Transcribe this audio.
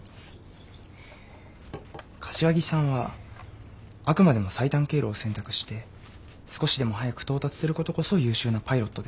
柏木さんはあくまでも最短経路を選択して少しでも早く到達することこそ優秀なパイロットである。